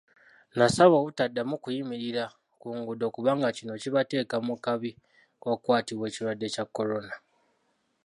N'abasaba obutaddamu kuyimirira ku nguudo kubanga kino kibateeka mu kabi k'okukwatibwa ekirwadde kya Korona.